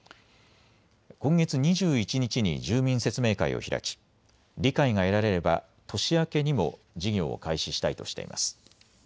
今月２１日に住民説明会を開き理解が得られれば年明けにも事業を開始したいとしています。